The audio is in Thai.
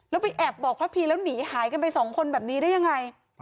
แล้วไปแอบบอกพระพีแล้วหนีหายกันไปสองคนแบบนี้ได้ยังไง